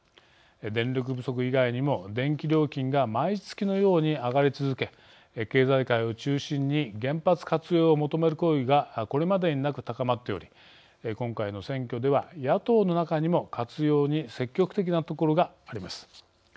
電力不足以外にも、電気料金が毎月のように上がり続け経済界を中心に原発活用を求める声がこれまでになく高まっており今回の選挙では野党の中にも活用に積極的なところがあります。